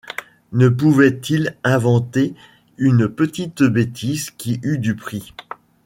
Ne pouvait-il inventer une petite bêtise qui eût du prix?